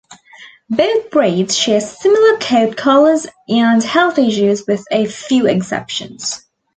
Both breeds share similar coat colors and health issues with a few exceptions.